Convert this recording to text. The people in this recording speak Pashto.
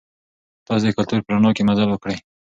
تاسي د کلتور په رڼا کې مزل وکړئ.